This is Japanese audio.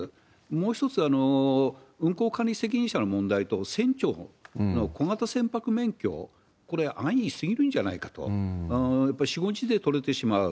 もう一つ、運航管理責任者の問題と船長の小型船舶免許、これ、安易にすぎるんじゃないかと、やっぱり４、５日で取れてしまう。